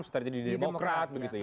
bisa terjadi di demokrat begitu ya